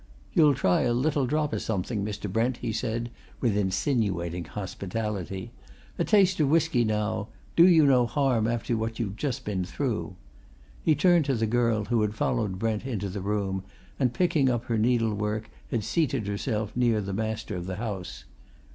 "You'll try a little drop o' something, Mr. Brent?" he said, with insinuating hospitality. "A taste of whisky, now? Do you no harm after what you've just been through." He turned to the girl, who had followed Brent into the room and, picking up her needlework, had seated herself near the master of the house.